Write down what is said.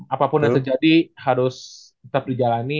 apapun yang terjadi harus tetap dijalani